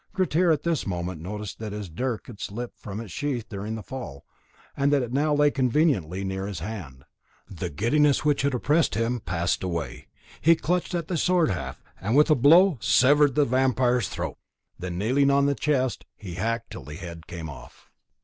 Grettir at this moment noticed that his dirk had slipped from its sheath during the fall, and that it now lay conveniently near his hand. The giddiness which had oppressed him passed away, he clutched at the sword haft, and with a blow severed the vampire's throat. Then, kneeling on the breast, he hacked till the head came off.